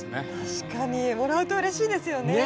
確かにもらうとうれしいですよね。